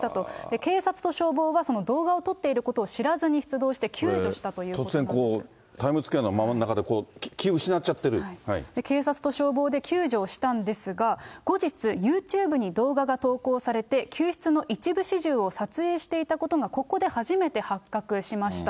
警察と消防はその動画を撮っていることを知らずに出動して、救助突然こう、タイムズスクエア警察と消防で救助をしたんですが、後日、ユーチューブに動画が投稿されて、救出の一部始終を撮影していたことが、ここで初めて発覚しました。